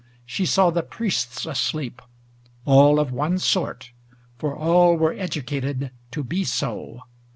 She saw the priests asleep, all of one sort. For all were educated to be so.